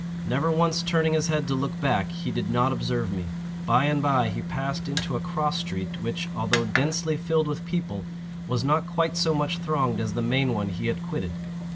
Never once turning his head to look back, he did not observe me. By and by he passed into a cross street, which, although densely filled with people, was not quite so much thronged as the main one he had quitted.